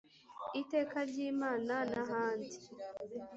iteka ryimana nahandi